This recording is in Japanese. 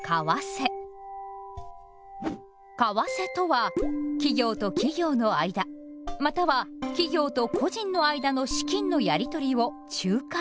「為替」とは企業と企業の間または企業と個人の間の資金のやりとりを仲介することです。